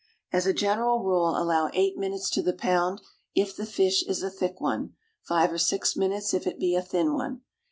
As a general rule allow eight minutes to the pound if the fish is a thick one, five or six minutes if it be a thin one.